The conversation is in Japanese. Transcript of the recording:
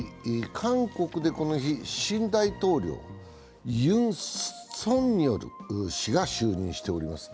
韓国でこの日、新大統領、ユン・ソンニョル氏が就任しております。